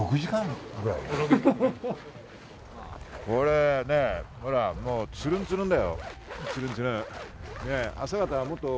これもう、つるんつるんだよ。